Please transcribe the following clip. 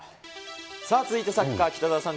さあ続いてサッカー、北澤さん